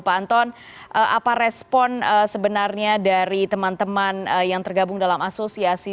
pak anton apa respon sebenarnya dari teman teman yang tergabung dalam asosiasi